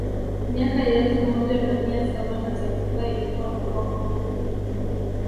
Miaka ya elfu moja na mia saba na Zanzibar ilikuwa Makao makuu